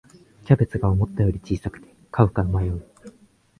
キャベツが思ったより小さくて買うか迷う